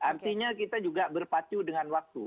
artinya kita juga berpacu dengan waktu